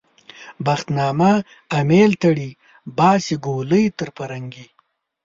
بخت نامه امېل تړي - باسي ګولۍ تر پرنګي